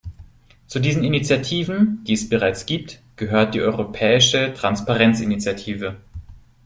Zu diesen Initiativen, die es bereits gibt, gehört die Europäische Transparenzinitiative.